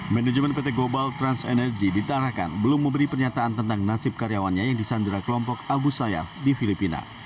manajemen pt global trans energy ditarahkan belum memberi pernyataan tentang nasib karyawannya yang disandera kelompok abu sayyaf di filipina